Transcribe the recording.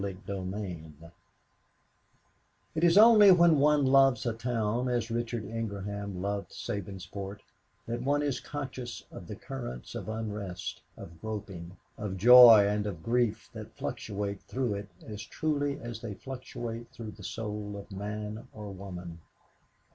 CHAPTER XI It is only when one loves a town as Richard Ingraham loved Sabinsport that one is conscious of the currents of unrest, of groping, of joy and of grief that fluctuate through it as truly as they fluctuate through the soul of man or woman.